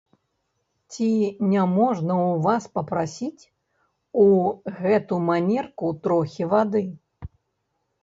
Ці няможна ў вас папрасіць у гэту манерку трохі вады?